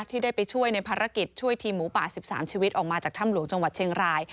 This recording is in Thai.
ที่ได้ไปช่วยในภารกิจช่วยทีมหมูป่า๑๓ชีวิตออกมาจากถ้ำหลวงจังหวัดเชียงราย